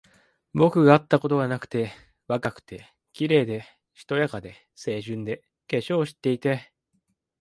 僕があったことがなくて、若くて、綺麗で、しとやかで、清純で、化粧を知っていて、